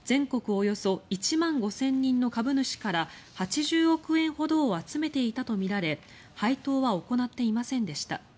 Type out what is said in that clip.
およそ１万５０００人の株主から８０億円ほどを集めていたとみられ配当は行っていませんでした。